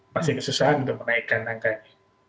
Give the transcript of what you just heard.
masih kesusahan untuk menaikkan angka ini